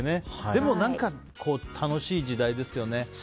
でも、何か楽しい時代ですよね。